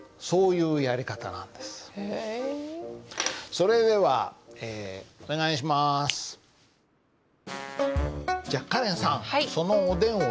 それではじゃあカレンさんそのえっ？